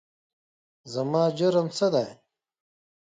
زما جرم څه دی ؟؟